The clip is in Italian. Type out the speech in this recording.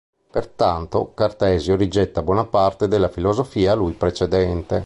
Pertanto, Cartesio rigetta buona parte della filosofia a lui precedente.